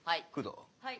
はい。